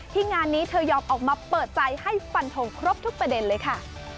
งานนี้เธอยอมออกมาเปิดใจให้ฟันทงครบทุกประเด็นเลยค่ะ